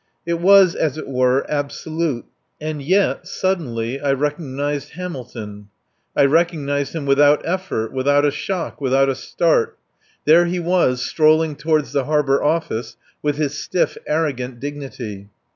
It was, as it were, final. And yet, suddenly, I recognized Hamilton. I recognized him without effort, without a shock, without a start. There he was, strolling toward the Harbour Office with his stiff, arrogant dignity.